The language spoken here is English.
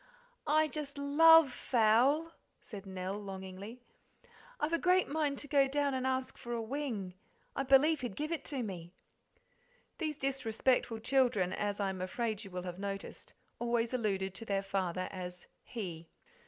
"I just LOVE fowl," said Nell longingly; "I've a great mind to go down and ask for a wing I believe he'd give it to me." These disrespectful children, as I am afraid you will have noticed, always alluded to their father as "he."